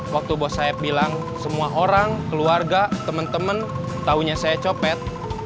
waktu bos saya bilang semua orang keluarga temen temen taunya saya nyopet